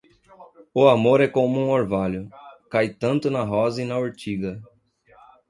O amor é como um orvalho; cai tanto na rosa e na urtiga.